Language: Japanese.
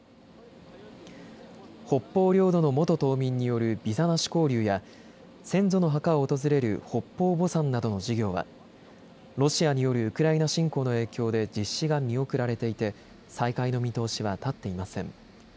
北方領土の元島民によるビザなし交流や先祖の墓を訪れる北方墓参などの事業はロシアによるウクライナ侵攻の影響で実施が見送られていて再開の見通しは立っていません。